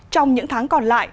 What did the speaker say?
trong những tháng còn lại